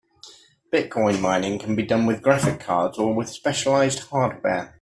Bitcoin mining can be done with graphic cards or with specialized hardware.